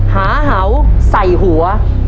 หาเห่าใส่หัว